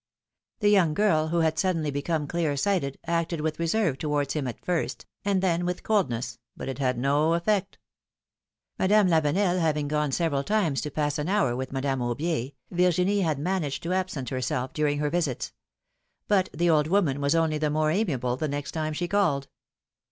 The young girl, who had suddenly become clear sighted, acted with reserve towards him at first, and then with coldness, but it had no effect. Madame Lavenel having gone several times to pass an hour with Madame Aubier, Virginie had managed to absent herself during her visits ; but the old woman was only the more amiable the next time she called.